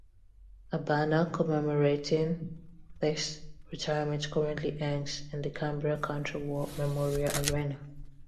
A banner commemorating this retirement currently hangs in the Cambria Country War Memorial Arena.